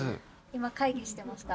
今会議してました。